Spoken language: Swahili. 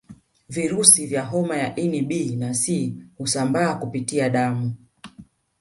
Virusi vya homa ya ini B na C husambaa kupitia damu